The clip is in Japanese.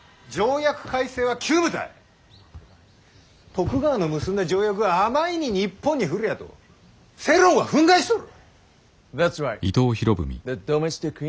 徳川の結んだ条約はあまいに日本に不利やと世論は憤慨しとる。